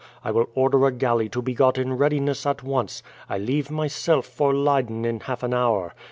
I will order a galley to be got in readiness at once. I leave myself for Leyden in half an hour.